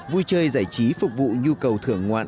vui chơi giải trí phục vụ nhu cầu thưởng ngoạn